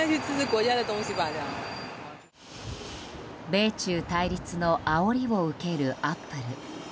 米中対立のあおりを受けるアップル。